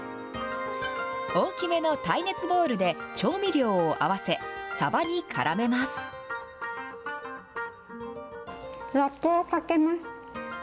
大きめの耐熱ボウルで調味料を合わせ、ラップをかけます。